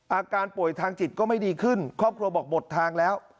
อาการป่วยทางจิตก็ไม่ดีขึ้นครอบครัวบอกหมดทางแล้ว